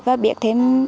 và biết thêm